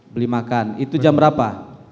beli makan itu jam berapa